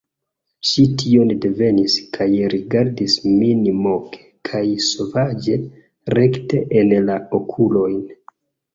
Ŝi tion divenis, kaj rigardis min moke kaj sovaĝe, rekte en la okulojn.